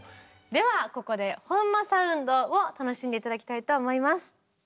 ではここで本間サウンドを楽しんで頂きたいと思います。